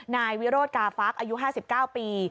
นายวิโรธกาฟักอายุ๕๙ปี